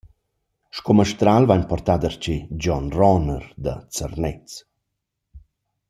Sco mastral vain portà darcheu Gion Roner da Zernez.